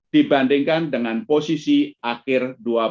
dibandingkan dengan posisi akhir dua ribu dua puluh satu